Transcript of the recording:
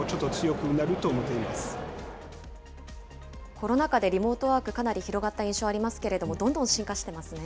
コロナ禍でリモートワーク、かなり広がった印象ありますけれども、どんどん進化してますね。